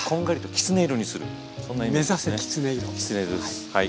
きつね色ですはい。